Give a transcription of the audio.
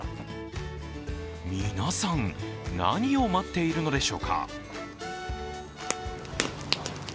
皆さん、何を待っているのでしょうか。